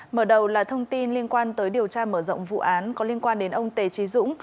mở đầu là thông tin liên quan tới điều tra mở rộng vụ án có liên quan đến ông tề trí dũng